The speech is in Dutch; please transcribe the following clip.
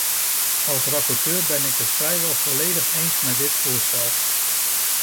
Als rapporteur ben ik het vrijwel volledig eens met dit voorstel.